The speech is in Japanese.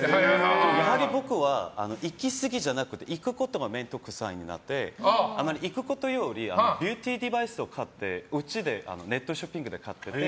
やはり僕は行きすぎじゃなくて行くことが面倒臭くなってあまり行くことよりビューティーデバイスを買ってうちでネットショッピングで買ってる。